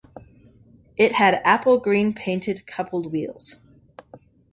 It had apple green painted coupled wheels.